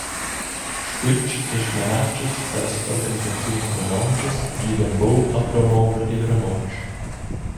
Squetsch e smanatschas dallas organisaziuns romontschas gidan buc a promover il romontsch.